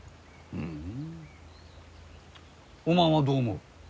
ふんおまんはどう思う？